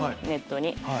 ネットに。